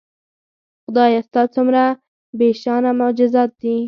خدایه ستا څومره بېشانه معجزات دي